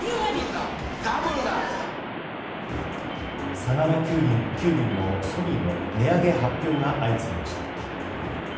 佐川急便も、ソニーも値上げ発表が相次ぎました。